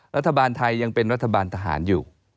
รัฐบาลไทยยังเป็นรัฐบาลทหารอยู่